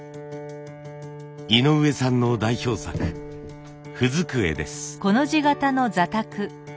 井上さんの代表作文机です。